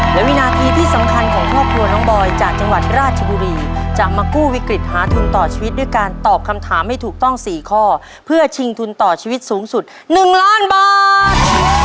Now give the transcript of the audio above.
และวินาทีที่สำคัญของครอบครัวน้องบอยจากจังหวัดราชบุรีจะมากู้วิกฤตหาทุนต่อชีวิตด้วยการตอบคำถามให้ถูกต้อง๔ข้อเพื่อชิงทุนต่อชีวิตสูงสุด๑ล้านบาท